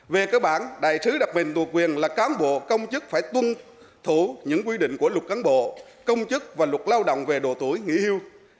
về cơ bản đại sứ đặc mệnh thuộc quyền là cán bộ công chức phải tuân thủ những quy định của luật cán bộ công chức và luật lao động về độ tuổi nghỉ hưu